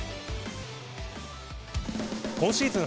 今シーズン